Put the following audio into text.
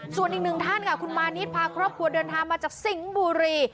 ส่วนอีกหนึ่งท่านค่ะคุณมานิดพาครอบครัวเดินทางมาจากสิงห์บุรี